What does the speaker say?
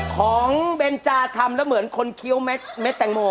ของเบนจ้าทำแล้วเหมือนคนเคี้ยวแม่แต่งโม